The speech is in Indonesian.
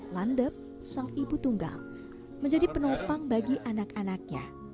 landep sang ibu tunggal menjadi penopang bagi anak anaknya